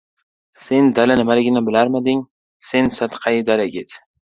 Sen dala nimaligini bilarmiding? Sen sadqai dala ket!